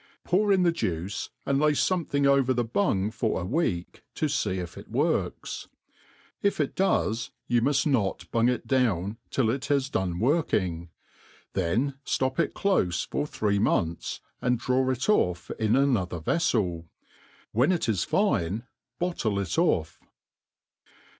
Pour in the juice, and lay foraething over the bung for sk week, to fee if it works. If it does, you miuft not bung it down till It has done working • then ftop it clofc for three months, an4 draw it off in anothci: veflil. When it is finfe, bottle it off.